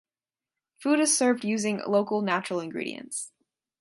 Food is served using local natural ingredients.